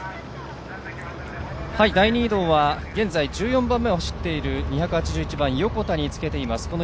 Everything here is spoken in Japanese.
第２移動は現在１４番目を走っている２８１番・横田に着けています。